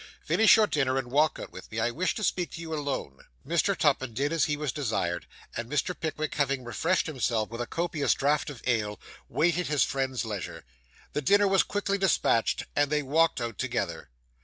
'Finish your dinner, and walk out with me. I wish to speak to you alone.' Mr. Tupman did as he was desired; and Mr. Pickwick having refreshed himself with a copious draught of ale, waited his friend's leisure. The dinner was quickly despatched, and they walked out together.